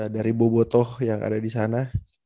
dari bobotoh yang ada di sana